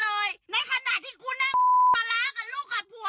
ในขณะที่กูนั่งปลาร้ากับลูกกับผัว